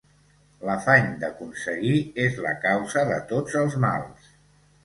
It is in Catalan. L'afany d'aconseguir és la causa de tots els mals.